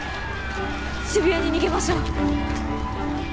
渋谷に逃げましょう。